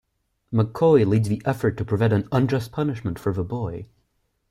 McCoy leads the effort to prevent an unjust punishment for the boy.